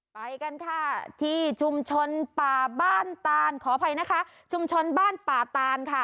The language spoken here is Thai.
ไปกันค่ะที่ชุมชนป่าบ้านตานขออภัยนะคะชุมชนบ้านป่าตานค่ะ